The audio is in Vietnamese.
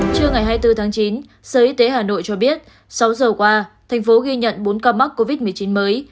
trưa ngày hai mươi bốn tháng chín sở y tế hà nội cho biết sáu giờ qua thành phố ghi nhận bốn ca mắc covid một mươi chín mới